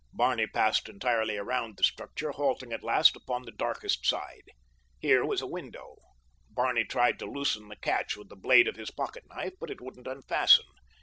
Barney passed entirely around the structure halting at last upon the darkest side. Here was a window. Barney tried to loosen the catch with the blade of his pocket knife, but it wouldn't unfasten.